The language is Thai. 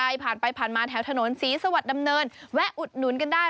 ใครผ่านไปผ่านมาแถวถนนศรีสวรรค์ดำเนินแวะอุดหนุนกันได้